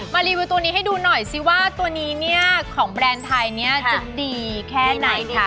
รีวิวตัวนี้ให้ดูหน่อยซิว่าตัวนี้เนี่ยของแบรนด์ไทยเนี่ยจะดีแค่ไหนดี